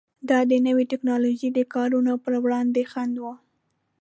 دا د نوې ټکنالوژۍ د کارونې پر وړاندې خنډ و.